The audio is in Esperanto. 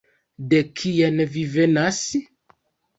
De kien vi venas?